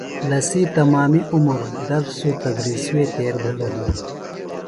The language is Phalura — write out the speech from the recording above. لسی تمامی عمر درس و تدریسی وے تیر بھِلوۡ ہِنوۡ۔